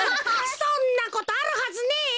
そんなことあるはずねえよ。